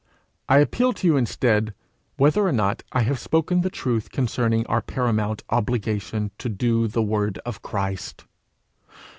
I appeal to you instead, whether or not I have spoken the truth concerning our paramount obligation to do the word of Christ.